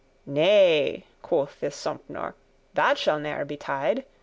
"Nay," quoth this Sompnour, "that shall ne'er betide.